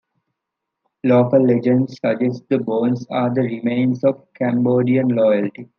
Local legends suggest the bones are the remains of Cambodian royalty.